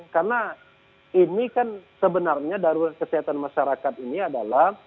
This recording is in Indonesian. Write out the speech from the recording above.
karena ini kan sebenarnya darurat kesehatan masyarakat ini adalah